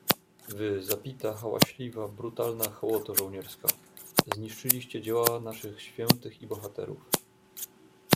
"Wy, zapita, hałaśliwa, brutalna hołoto żołnierska, zniszczyliście dzieła naszych świętych i bohaterów!"